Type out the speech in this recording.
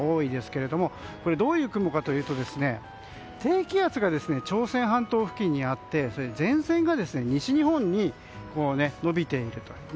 どういう雲かというと低気圧が朝鮮半島付近にあって前線が西日本に延びていると。